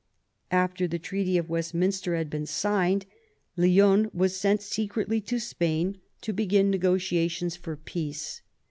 After the Treaty of Westminster had been signed, Lionue was sent secretly to Spain to begin negotiations 184 MAZARIN chap. for peace.